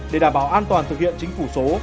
để đảm bảo an toàn thực hiện chính phủ số